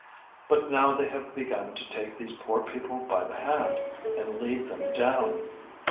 But now they have begun to take these poor people by the hand, and lead them down."